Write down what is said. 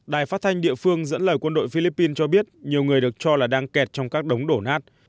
đài phát thanh địa phương dẫn lời quân đội philippines cho biết nhiều người được cho là đang kẹt trong các đống đổ nát